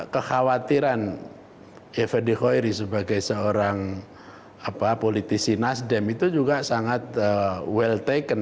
kekhawatiran effendi hoiri sebagai seorang politisi nasdem itu juga sangat well taken